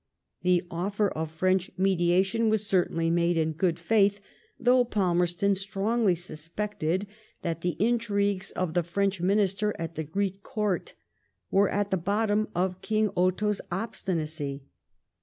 The. offer of French mediation was certainly made in good faith, though Palmerston strongly suspected that the intrigues of the French minister at the Greek Court were at the bottom of King Otho's obstinacy.